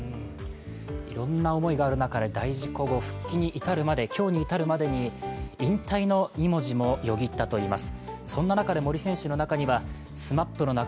いろんな思いがある中で大事故後、復帰に至るまでに引退の２文字もよぎったといいます。